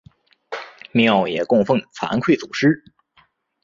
庙也供俸惭愧祖师。